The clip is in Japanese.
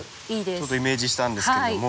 ちょっとイメージしたんですけれども。